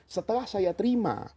setelah saya terima